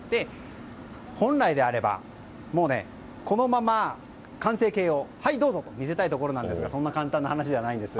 本来であればこのまま完成形をはい、どうぞと見せたいところなんですがそんな簡単な話ではないんです